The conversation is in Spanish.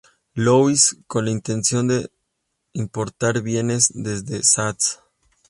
Louis con la intención de importar bienes desde St.